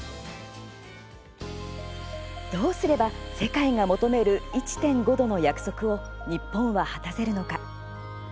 どうすれは世界が求める１．５℃の約束を日本は果たせるのか。